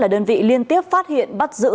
là đơn vị liên tiếp phát hiện bắt giữ